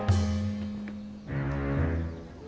tunggu aku mau cari